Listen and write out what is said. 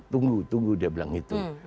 tunggu tunggu dia bilang itu